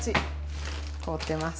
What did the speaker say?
凍ってます。